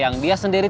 yang sangat menarik